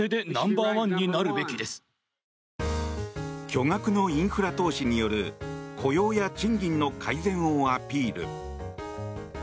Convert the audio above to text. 巨額のインフラ投資による雇用や賃金の改善をアピール。